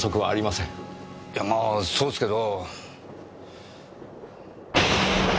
いやまあそうですけど。